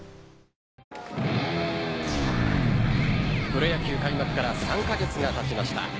プロ野球開幕から３ヶ月がたちました。